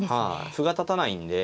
歩が立たないんで。